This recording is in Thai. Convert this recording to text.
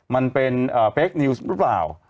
มันเป็นเฟคนิวส์หรือเปล่า